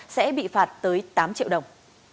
sẽ bị phạt tới tám triệu đồng